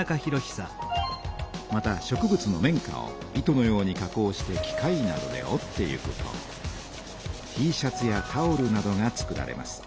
また植物の綿花を糸のように加工して機械などでおっていくとＴシャツやタオルなどが作られます。